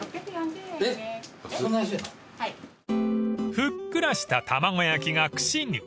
［ふっくらしたたまご焼きが串に］